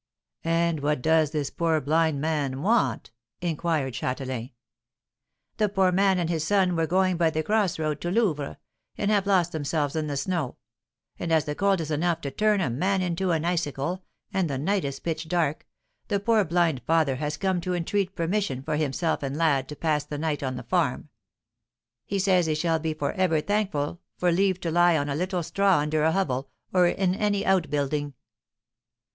"And what does this poor blind man want?" inquired Châtelain. "The poor man and his son were going by the cross road to Louvres, and have lost themselves in the snow; and as the cold is enough to turn a man into an icicle, and the night is pitch dark, the poor blind father has come to entreat permission for himself and lad to pass the night on the farm; he says he shall be for ever thankful for leave to lie on a little straw under a hovel, or in any out building."